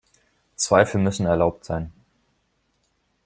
Zweifel müssen erlaubt sein.